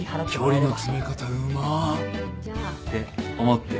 距離の詰め方うま。って思ってる？